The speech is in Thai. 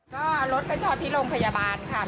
ก็เอารถไปจอดที่โรงพยาบาลค่ะแล้วก็จะกลับบ้าน